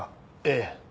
ええ。